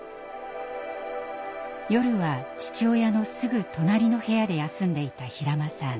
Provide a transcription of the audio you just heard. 夜は父親のすぐ隣の部屋で休んでいた平間さん。